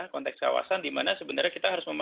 konteks kawasan dimana sebenarnya kita harus